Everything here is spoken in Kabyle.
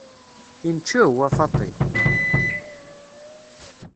Incew, a Faaṭi!